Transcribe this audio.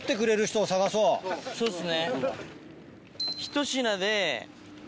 そうっすね。